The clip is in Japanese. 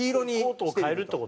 コートを変えるって事？